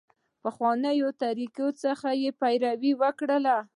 پخوانیو طریقو څخه یې پیروي وکړه.